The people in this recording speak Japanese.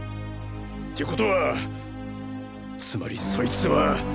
ってことはつまりそいつは。